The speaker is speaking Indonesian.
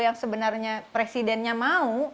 yang sebenarnya presidennya mau